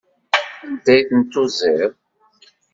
Anda ay ten-tuziḍ?